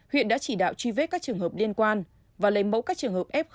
huyện đã chỉ đạo truy vết các trường hợp liên quan và lấy mẫu các trường hợp f một